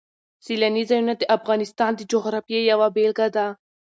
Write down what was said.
سیلاني ځایونه د افغانستان د جغرافیې یوه بېلګه ده.